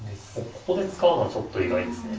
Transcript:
ここで使うのはちょっと意外ですね。